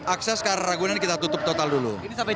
akses ke arah ragunan kita tutup total dulu